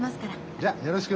じゃよろしく。